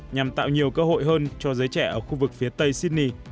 nhằm tạo nhiều cơ hội hơn cho giới trẻ ở khu vực phía tây sydney